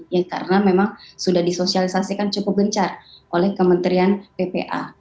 ya karena memang sudah disosialisasikan cukup gencar oleh kementerian ppa